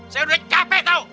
saya udah capek tau